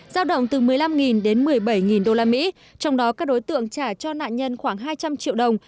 giao động từ một mươi năm đến một mươi bảy usd trong đó các đối tượng trả cho nạn nhân khoảng hai trăm linh triệu đồng